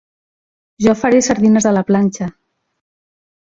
Jo faré sardines a la planxa.